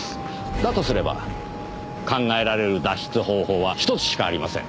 だとすれば考えられる脱出方法は１つしかありません。